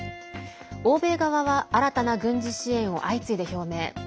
欧米側は新たな軍事支援を相次いで表明。